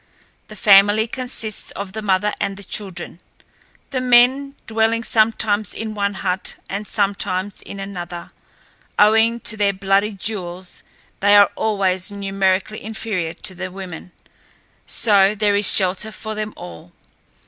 The family consists of the mother and the children, the men dwelling sometimes in one hut and sometimes in another. Owing to their bloody duels, they are always numerically inferior to the women, so there is shelter for them all.